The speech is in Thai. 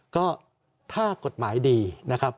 ก็ถ้ากฎหมายดีนะครับ